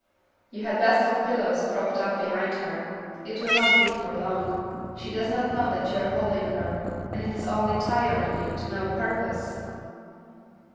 'You had best have pillows propped up behind her it will not be for long; she does not know that you are holding her, and it is only tiring you to no purpose!'